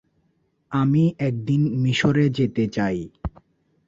আমি একদিন মিশরে যেতে চাই।